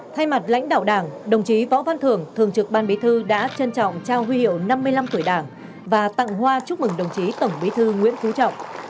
thay mặt lãnh đạo đảng đồng chí võ văn thường thường trực ban bí thư đã trân trọng trao huy hiệu năm mươi năm tuổi đảng và tặng hoa chúc mừng đồng chí tổng bí thư nguyễn phú trọng